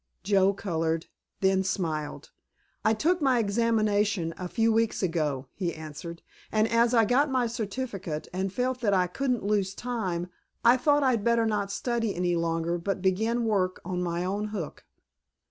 Joe colored, then smiled. "I took my examination a few weeks ago," he answered, "and as I got my certificate and felt that I couldn't lose time I thought I'd better not study any longer, but begin work on my own hook."